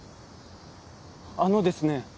あのですね。